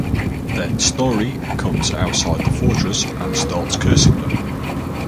Then Snorri comes outside the fortress and starts cursing them.